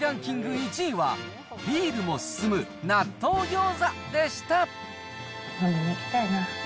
１位はビールも進む納豆ギョーザでした。